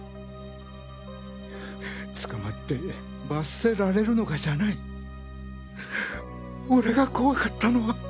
捕まって罰せられるのがじゃない俺が怖かったのは。